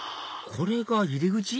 これが入り口？